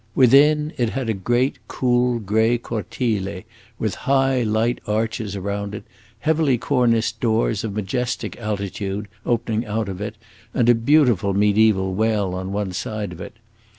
Within, it had a great, cool, gray cortile, with high, light arches around it, heavily corniced doors, of majestic altitude, opening out of it, and a beautiful mediaeval well on one side of it.